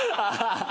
ハハハ！